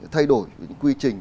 thay đổi những quy trình